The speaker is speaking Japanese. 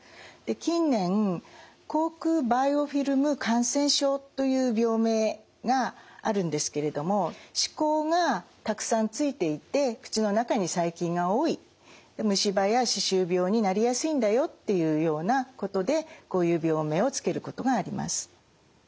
近年口腔バイオフィルム感染症という病名があるんですけれども歯垢がたくさんついていて口の中に細菌が多い虫歯や歯周病になりやすいんだよっていうようなことでこういう病名を付けることがあります。